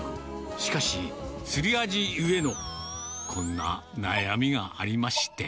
しかし、釣りアジゆえのこんな悩みがありまして。